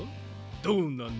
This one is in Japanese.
どうなの？